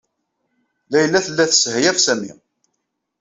Layla tella tessehyaf Sami.